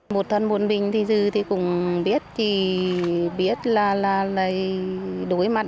một thân buồn bình thì dư cũng biết là đối mặt